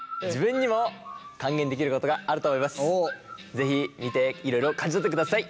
是非見ていろいろ感じ取ってください。